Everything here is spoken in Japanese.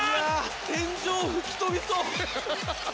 天井、吹き飛びそう！